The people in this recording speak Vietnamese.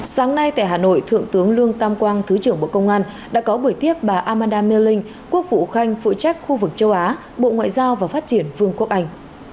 sáng nay tại hà nội thượng tướng lương tam quang thứ trưởng bộ công an đã có buổi tiếp bà amada melling quốc vụ khanh phụ trách khu vực châu á bộ ngoại giao và phát triển vương quốc anh